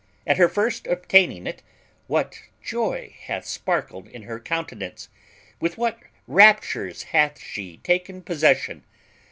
At her first obtaining it, what joy hath sparkled in her countenance! with what raptures hath she taken possession!